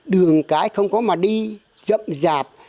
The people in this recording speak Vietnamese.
đường cái không có mà đi dậm dạp